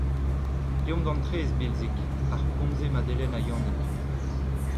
Deomp d’an traezh, Bilzig ! a c’hougomze Madelen ha Yannig.